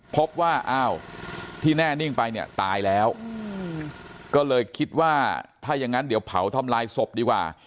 พบว่าอ้าวที่แน่นิ่งไปเนี่ยตายแล้วก็เลยคิดว่าถ้าอย่างนั้นเดี๋ยวเผาทำลายศพดีกว่า